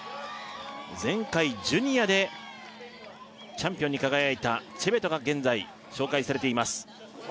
前回ジュニアでチャンピオンに輝いたチェベトが現在紹介されています